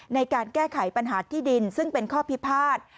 ในการแก้ไขปัญหาที่ดินซึ่งเป็นข้อพิพาท